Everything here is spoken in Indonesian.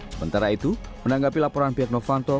sementara itu menanggapi laporan pihak novanto